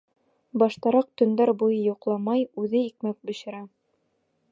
Баштараҡ төндәр буйы йоҡламай үҙе икмәк бешерә.